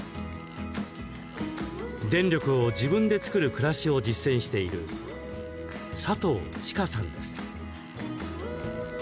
電力を自分で作る暮らしを実践しているサトウチカさんです。